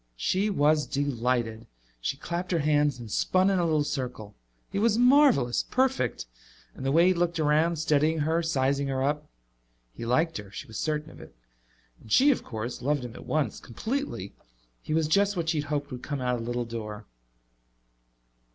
She was delighted. She clapped her hands and spun in a little circle. He was marvelous, perfect! And the way he had looked around, studying her, sizing her up. He liked her; she was certain of it. And she, of course, loved him at once, completely. He was just what she had hoped would come out of the little door.